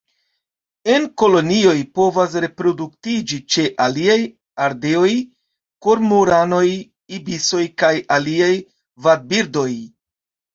En kolonioj povas reproduktiĝi ĉe aliaj ardeoj, kormoranoj, ibisoj kaj aliaj vadbirdoj.